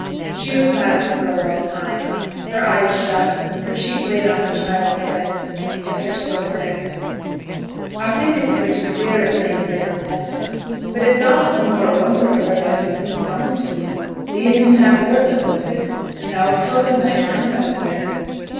She was silent for a long time; her eyes shut, her cheek laid on her child's head. Kester spoke next. 'A think it's pretty clear as they'n niver met. But it's a' t' more wonder where thy husband's gone to. Thee and him had words about it, and thou telled him thy mind, thou said?'